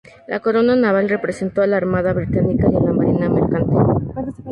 La corona naval representó a la Armada Británica y a la marina mercante.